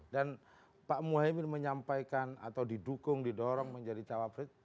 dan pak muhyiddin menyampaikan atau didukung didorong menjadi jawabannya